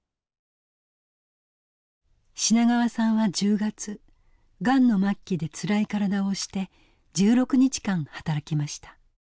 品川さんは１０月がんの末期でつらい体を押して１６日間働きました。